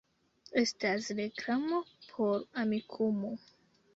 Estas reklamo por Amikumu